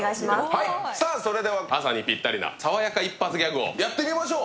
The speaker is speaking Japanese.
それでは朝にぴったりな爽やかギャグをやってみましょう。